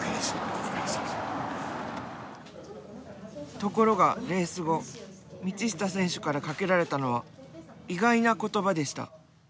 ところがレース後道下選手からかけられたのは意外な言葉でした。